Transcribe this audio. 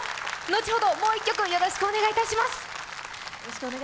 後ほど、もう１曲、よろしくお願いします。